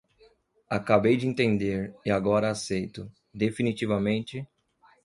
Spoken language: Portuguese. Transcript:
Acabei de entender, e agora aceito, definitivamente